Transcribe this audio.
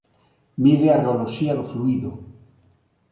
Mide a reoloxía do fluído.